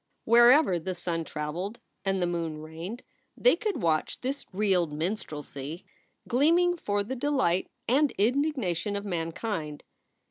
Wherever the sun traveled and the moon reigned they could watch this reeled min strelsy gleaming for the delight and indignation of mankind.